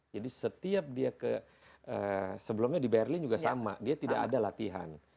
jadi setiap dia ke sebelumnya di berlin juga sama dia tidak ada latihan